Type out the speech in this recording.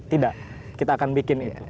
tidak kita akan bikin itu